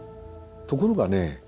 ところがね